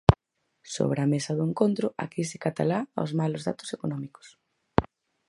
Sobre a mesa do encontro, a crise catalá a os malos datos económicos.